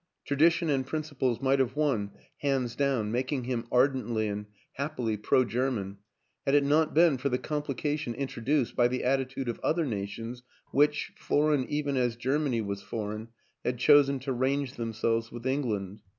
Tradition and principles might have won hands down, making him ardently and happily pro German, had it not been for the complication introduced by the attitude of other nations which, foreign even as Germany was foreign, had chosen to range themselves with England.